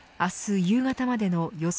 明日夕方までの予想